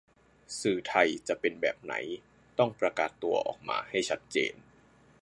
สื่อไทยจะเป็นแบบไหนต้องประกาศตัวออกมาให้ชัดเจน